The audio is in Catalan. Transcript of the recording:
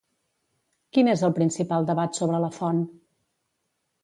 Quin és el principal debat sobre la font?